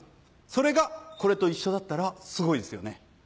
それがこれと一緒だったらすごいですよね。